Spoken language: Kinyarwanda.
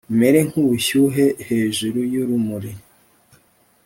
mere nk’ubushyuhe hejuru y’urumuri,